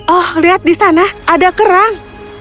oh lihat di sana ada kerang